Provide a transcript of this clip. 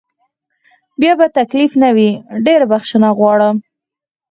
بیا به تکلیف نه وي، ډېره بخښنه غواړم.